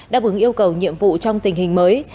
đáp ứng yêu cầu nhiệm vụ trong tình hình mới